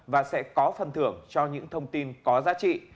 và sẽ có phần thưởng cho những thông tin có giá trị